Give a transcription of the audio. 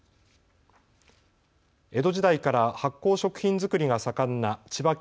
江戸時代から発酵食品づくりが盛んな千葉県